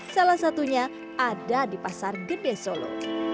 salah satunya ada di pasar gede solo